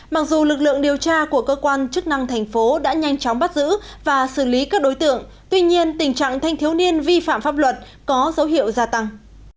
mặc dù lực lượng điều tra của cơ quan chức năng thành phố đã nhanh chóng bắt giữ và xử lý các đối tượng tuy nhiên tình trạng thanh thiếu niên vi phạm pháp luật có dấu hiệu gia tăng